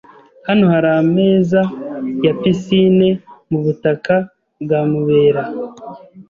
Hano hari ameza ya pisine mubutaka bwa Mubera.